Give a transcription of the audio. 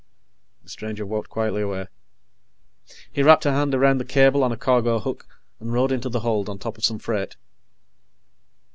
The stranger walked quietly away. He wrapped a hand around the cable on a cargo hook and rode into the hold on top of some freight.